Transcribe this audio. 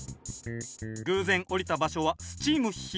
偶然降りた場所はスチーム・ヒート。